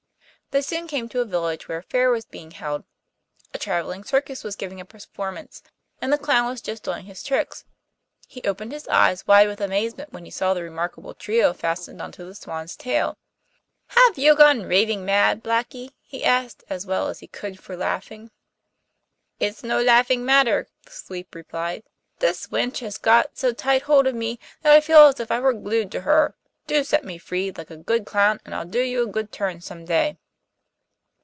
They soon came to a village where a fair was being held. A travelling circus was giving a performance, and the clown was just doing his tricks. He opened his eyes wide with amazement when he saw the remarkable trio fastened on to the swan's tail. 'Have you gone raving mad, Blackie?' he asked as well as he could for laughing. 'It's no laughing matter,' the sweep replied. 'This wench has got so tight hold of me that I feel as if I were glued to her. Do set me free, like a good clown, and I'll do you a good turn some day.